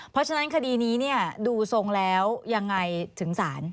เพราะฉะนั้นคดีนี้ดูทรงแล้วยังไงถึงศาล